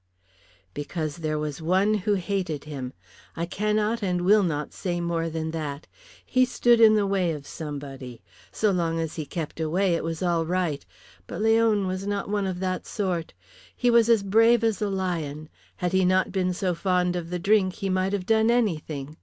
"Because there was one who hated him. I cannot and will not say any more than that. He stood in the way of somebody. So long as he kept away it was all right. But Leon was not one of that sort. He was as brave as a lion. Had he not been so fond of the drink he might have done anything.